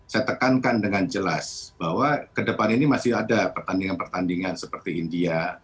saya tekankan dengan jelas bahwa ke depan ini masih ada pertandingan pertandingan seperti india